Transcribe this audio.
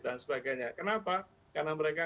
dan sebagainya kenapa karena mereka